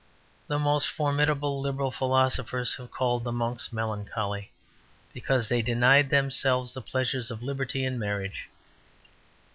The most formidable liberal philosophers have called the monks melancholy because they denied themselves the pleasures of liberty and marriage.